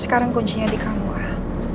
sekarang kuncinya di kamu al